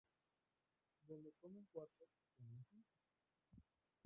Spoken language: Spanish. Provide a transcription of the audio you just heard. Donde comen cuatro, comen cinco